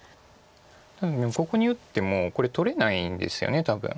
ここに打ってもこれ取れないんですよね多分。